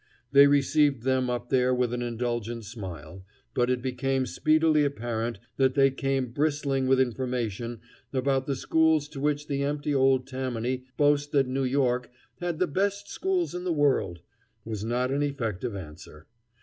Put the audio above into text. They received them up there with an indulgent smile, but it became speedily apparent that they came bristling with information about the schools to which the empty old Tammany boast that New York "had the best schools in the world" was not an effective answer.